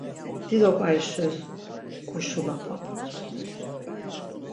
Dido ǩai şuris guşulapapups.